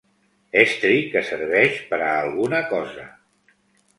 Estri que serveix per a alguna cosa.